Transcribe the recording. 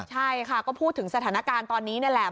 ใช่ค่ะก็พูดถึงสถานการณ์ตอนนี้นี่แหละ